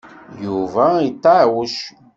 Yuba yeṭṭeɛwec.